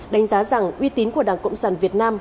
đánh giá rằng uy tín của đảng cộng sản việt nam